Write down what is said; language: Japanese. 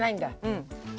うん。